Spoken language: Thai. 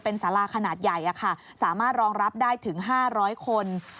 เป็นสาราขนาดใหญ่สามารถรองรับได้ถึง๕๐๐คน